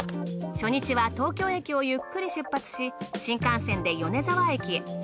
初日は東京駅をゆっくり出発し新幹線で米沢駅へ。